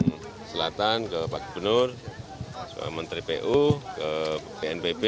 ke pak bukati selatan ke pak gubernur ke menteri pu ke pnpb